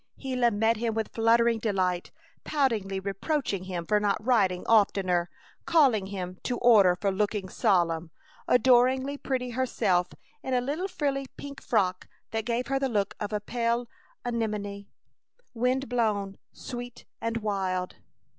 Gila met him with fluttering delight, poutingly reproaching him for not writing oftener, calling him to order for looking solemn, adoringly pretty herself in a little frilly pink frock that gave her the look of a pale anemone, wind blown and sweet and wild.